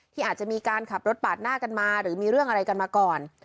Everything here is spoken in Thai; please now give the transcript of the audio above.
ที่อาจจะมีการขับรถปาดหน้ากันมาหรือมีเรื่องอะไรกันมาก่อน